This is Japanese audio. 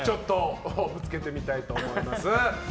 ぶつけてみたいと思います。